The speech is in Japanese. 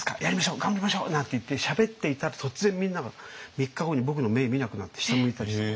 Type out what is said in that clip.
頑張りましょう！」なんて言ってしゃべっていたら突然みんなが３日後に僕の目見なくなって下向いたりして。